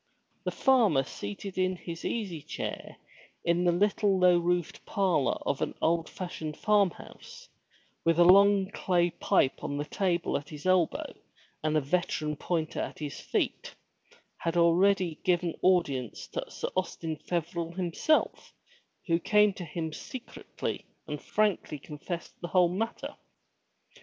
The farmer seated in his easy chair in the little low roofed parlor of an old fashioned farm house, with a long clay pipe on the table at his elbow and a veteran pointer at his feet, had already given audience to Sir Austin Feverel himself who came to him secretly and frankly confessed the whole matter.